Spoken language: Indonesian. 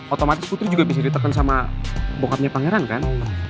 otomatis putri juga bisa ditekan sama bokapnya pangeran kan